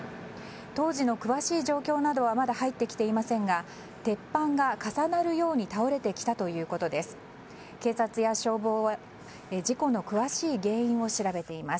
当時の詳しい状況などはまだ入ってきていませんが鉄板が重なるように倒れてきたということです。